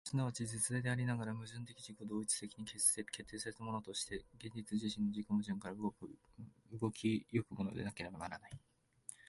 即ち実在でありながら、矛盾的自己同一的に決定せられたものとして、現実自身の自己矛盾から動き行くものでなければならない。